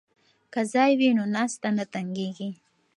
که ځای وي نو ناسته نه تنګیږي.